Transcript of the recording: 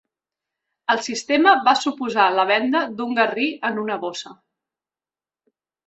El sistema va suposar la venda d'un garrí en una bossa.